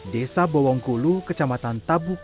desa bowongkulu kecamatan tabungkulu